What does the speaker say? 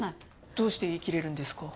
どうして言いきれるんですか？